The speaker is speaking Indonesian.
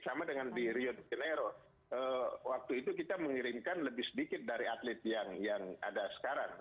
sama dengan di rio de janeiro waktu itu kita mengirimkan lebih sedikit dari atlet yang ada sekarang